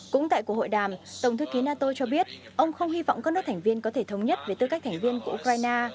cũng tại cuộc hội đàm tổng thư ký nato cho biết ông không hy vọng các nước thành viên có thể thống nhất về tư cách thành viên của ukraine